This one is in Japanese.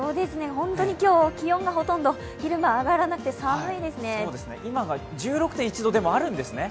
本当に今日、気温がほとんど昼間上がらなくて今が、でも１６．１度あるんですね。